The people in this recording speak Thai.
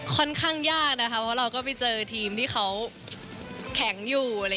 ค่อนข้างยากนะคะเพราะเราก็ไปเจอทีมที่เขาแข็งอยู่